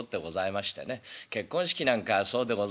結婚式なんかそうでございます。